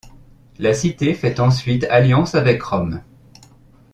La cité fait ensuite alliance avec Rome.